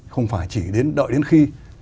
không phải chỉ đợi đến khi